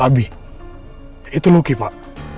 pak abi itu lucky pak